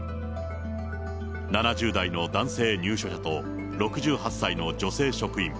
７０代の男性入所者と、６８歳の女性職員。